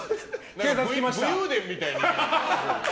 武勇伝みたいな。